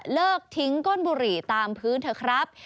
เลิกทิ้งก้นบุหรี่ตามพื้นเถอะครับ